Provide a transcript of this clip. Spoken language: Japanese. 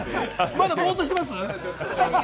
まだぼっとしてます？